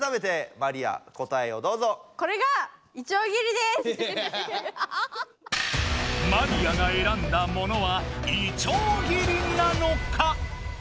マリアが選んだものはいちょう切りなのか？